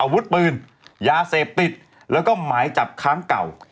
อาวุธปืนยาเสพติดแล้วก็หมายจับค้างเก่า